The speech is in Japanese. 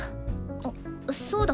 あっそうだ。